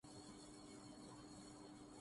وہ اپنی جگہ قائم رہتا ہے۔